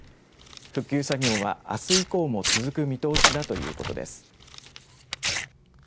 復旧作業は、あす以降も続く見通しだということです。